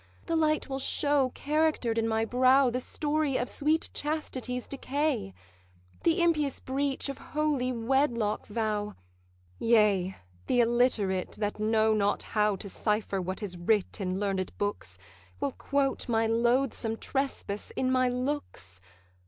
The light will show, character'd in my brow, The story of sweet chastity's decay, The impious breach of holy wedlock vow: Yea, the illiterate, that know not how To cipher what is writ in learned books, Will quote my loathsome trespass in my looks.